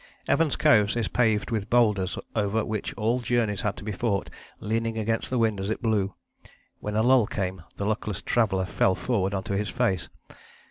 Evans Coves is paved with boulders over which all journeys had to be fought leaning against the wind as it blew: when a lull came the luckless traveller fell forward on to his face.